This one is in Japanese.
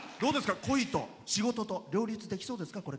恋と仕事と両立できそうですか？